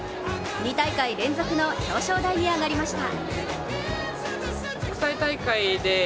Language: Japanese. ２大会連続の表彰台に上がりました。